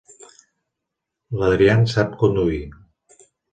L'Adrian sap conduir.